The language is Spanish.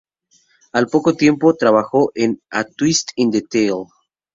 Al poco tiempo trabajó en "A Twist in the Tale".